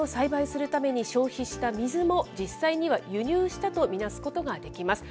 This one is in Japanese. つまり、小麦を栽培するために消費した水も、実際には輸入したと見なすことができます。